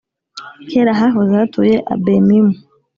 (Kera hahoze hatuye Abemimu,